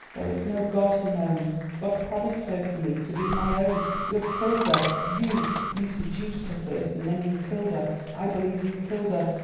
"There is no God," he moaned; "God promised her to me, to be my own—you have killed her; you—you seduced her first and then you killed her. I believe you killed her.